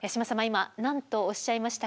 今何とおっしゃいましたか？